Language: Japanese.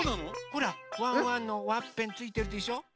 ほらワンワンのワッペンついてるでしょ。